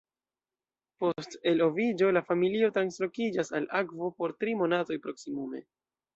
Post eloviĝo la familio translokiĝas al akvo por tri monatoj proksimume.